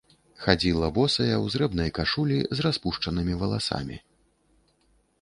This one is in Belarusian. Хадзіла босая ў зрэбнай кашулі з распушчанымі валасамі.